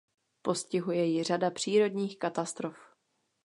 Postihuje ji řada přírodních katastrof.